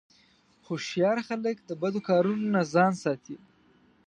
هوښیار خلک د بدو کارونو نه ځان ساتي.